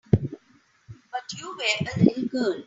But you were a little girl.